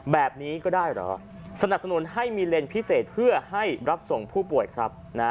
แบบนี้ก็ได้เหรอสนับสนุนให้มีเลนส์พิเศษเพื่อให้รับส่งผู้ป่วยครับ